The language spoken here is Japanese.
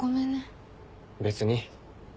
別に。